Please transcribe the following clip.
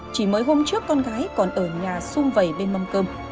chỉ mới hôm trước con gái còn ở nhà xung vầy bên mâm cơm